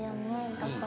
だから。